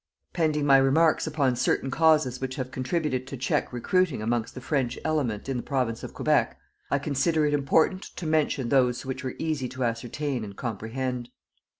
Pending my remarks upon certain causes which have contributed to check recruiting amongst the French element in the Province of Quebec, I consider it important to mention those which were easy to ascertain and comprehend.